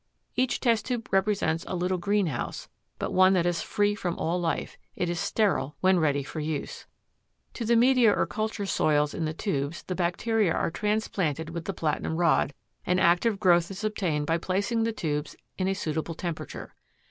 Each test tube represents a little greenhouse, but one that is free from all life; it is sterile when ready for use. To the media or culture soils in the tubes the bacteria are transplanted with the platinum rod, and active growth is obtained by placing the tubes in a suitable temperature.